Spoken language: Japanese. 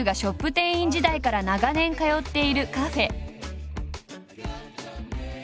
店員時代から長年通っているカフェ。